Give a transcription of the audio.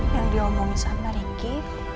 yang diomongin sama riki